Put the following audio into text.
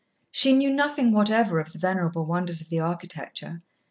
She knew nothing whatever of the venerable wonders of the architecture.